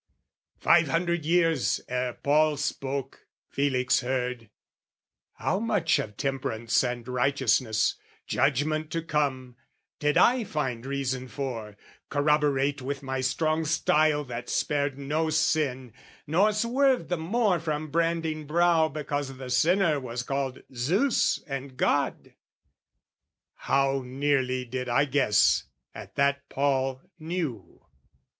"Five hundred years ere Paul spoke, Felix heard, "How much of temperance and righteousness, "Judgment to come, did I find reason for, "Corroborate with my strong style that spared "No sin, nor swerved the more from branding brow "Because the sinner was called Zeus and God? "How nearly did I guess at that Paul knew?